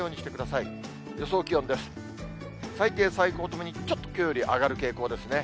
最低、最高ともに、ちょっときょうより上がる傾向ですね。